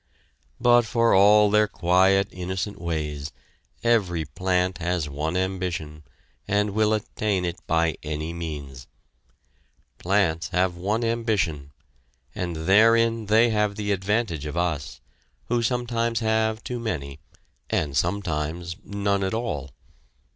But for all their quiet innocent ways, every plant has one ambition and will attain it by any means. Plants have one ambition, and therein they have the advantage of us, who sometimes have too many, and sometimes none at all!